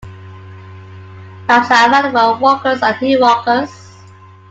Maps are available for walkers and hill-walkers.